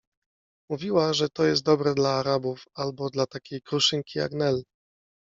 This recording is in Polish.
Mówiła, że to jest dobre dla Arabów albo dla takiej kruszynki jak Nel.